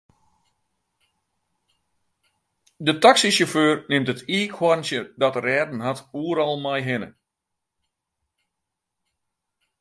De taksysjauffeur nimt it iikhoarntsje dat er rêden hat oeral mei hinne.